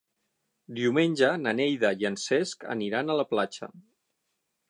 Diumenge na Neida i en Cesc aniran a la platja.